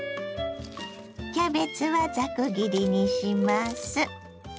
キャベツはざく切りにします。